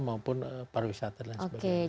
maupun pariwisata dan sebagainya